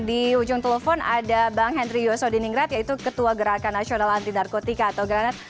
di ujung telepon ada bang henry yosodiningrat yaitu ketua gerakan nasional anti narkotika atau granat